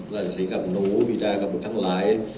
รัฐศึกษีกับหนูพิจารณ์กับบุตรทั้งหลาย